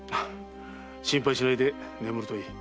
心配しないで眠るといい。